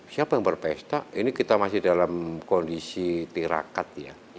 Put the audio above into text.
siapa yang berpesta ini kita masih dalam kondisi tirakat ya